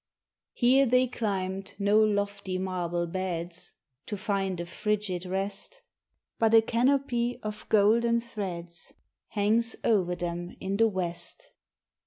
Here they climbed no lofty marble beds To find a frigid rest, But a canopy of golden threads Hangs o'er them in the west.